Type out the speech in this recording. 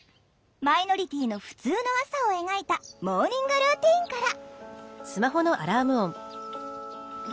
マイノリティーのふつうの朝を描いたモーニングルーティンから。